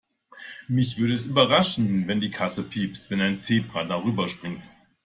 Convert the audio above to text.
Mich würde es überraschen, wenn die Kasse piept, wenn ein Zebra darüberspringt.